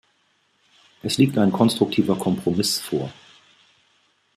Es liegt ein konstruktiver Kompromiss vor.